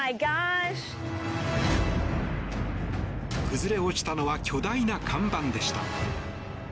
崩れ落ちたのは巨大な看板でした。